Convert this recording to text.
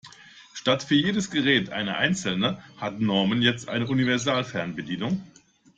Statt für jedes Gerät eine einzelne hat Norman jetzt eine Universalfernbedienung.